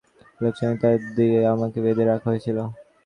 Electric তার দিয়ে আমাকে বেঁধে রাখা হয়েছিল।